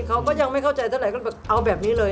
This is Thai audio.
เขาก็ยังไม่เข้าใจเท่าไหร่ก็แบบเอาแบบนี้เลย